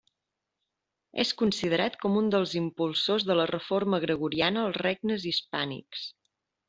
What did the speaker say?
És considerat com un dels impulsors de la reforma gregoriana als regnes hispànics.